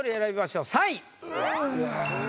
うわ。